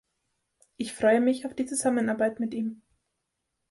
Ich freue mich auf die Zusammenarbeit mit ihm.